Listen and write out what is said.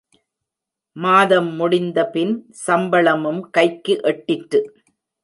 மாதம் முடிந்தபின், சம்பளமும் கைக்கு எட்டிற்று.